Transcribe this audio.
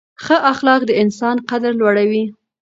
ښه اخلاق د انسان قدر لوړوي.